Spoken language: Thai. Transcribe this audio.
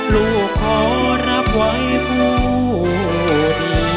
ลูกขอรับไว้พูด